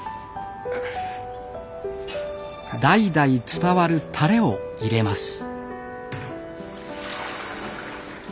代々伝わるタレを入れます。